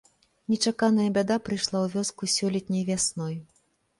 Нечаканая бяда прыйшла ў вёску сёлетняй вясной.